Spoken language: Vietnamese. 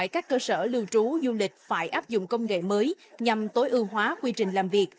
các cơ sở lưu trú du lịch phải áp dụng công nghệ mới nhằm tối ưu hóa quy trình làm việc